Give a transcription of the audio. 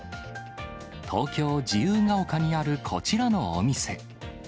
東京・自由が丘にあるこちらのお店。